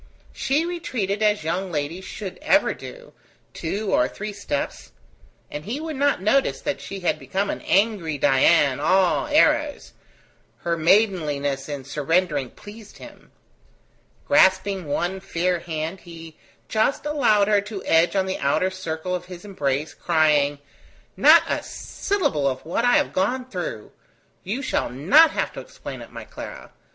She retreated as young ladies should ever do, two or three steps, and he would not notice that she had become an angry Dian, all arrows: her maidenliness in surrendering pleased him. Grasping one fair hand, he just allowed her to edge on the outer circle of his embrace, crying: "Not a syllable of what I have gone through! You shall not have to explain it, my Clara.